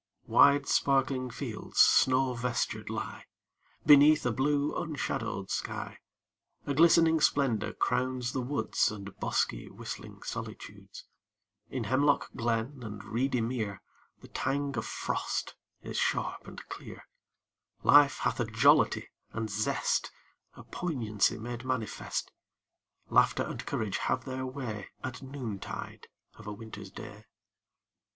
II Wide, sparkling fields snow vestured lie Beneath a blue, unshadowed sky; A glistening splendor crowns the woods And bosky, whistling solitudes; In hemlock glen and reedy mere The tang of frost is sharp and clear; Life hath a jollity and zest, A poignancy made manifest; Laughter and courage have their way At noontide of a winter's day.